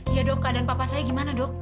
iya dok keadaan papa saya gimana dok